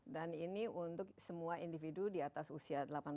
dan ini untuk semua individu di atas usia delapan belas tahun